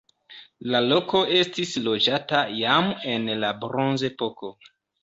La loko estis loĝata jam en la bronzepoko.